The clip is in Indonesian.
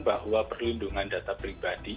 bahwa perlindungan data pribadi